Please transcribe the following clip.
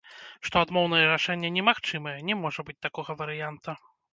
Што адмоўнае рашэнне немагчымае, не можа быць такога варыянта.